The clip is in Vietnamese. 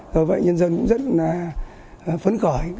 do vậy nhân dân cũng rất là phấn khởi